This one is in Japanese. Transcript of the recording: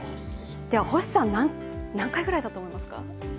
星さん、何回ぐらいだと思いますか？